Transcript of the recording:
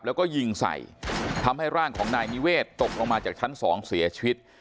แล้วก็ยิงใส่ทำให้ร่างของนายนิเวศตกลงมาจากชั้นสองเสียชีวิต